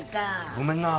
ごめんな